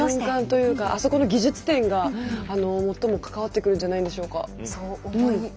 あそこの技術点が最も関わってくるんじゃないでしょうか。